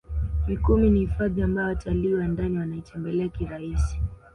mikumi ni hifadhi ambayo watalii wa ndani wanaitembelea kirahisi